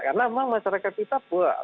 karena memang masyarakat kita